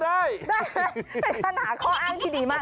ได้ด้านหาข้ออ้างที่ดีมาก